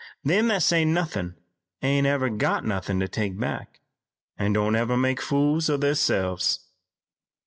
Them that say nothin' ain't never got nothin' to take back, an' don't never make fools o' theirselves.